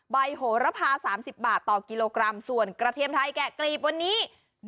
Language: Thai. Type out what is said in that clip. โหระพา๓๐บาทต่อกิโลกรัมส่วนกระเทียมไทยแกะกรีบวันนี้